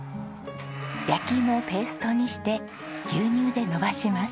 焼き芋をペーストにして牛乳で延ばします。